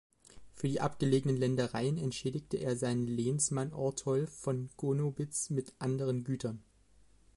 Für die abgelegenen Ländereien entschädigte er seinen Lehnsmann Ortolf von Gonobitz mit anderen Gütern.